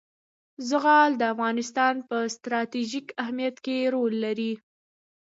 زغال د افغانستان په ستراتیژیک اهمیت کې رول لري.